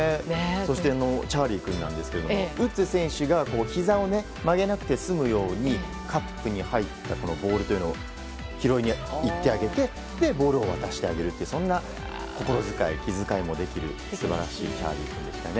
チャーリー君はウッズ選手がひざを曲げなくて済むようにカップに入ったボールを拾いに行ってあげてボールを渡してあげるという気遣いもできる素晴らしいチャーリー君でしたね。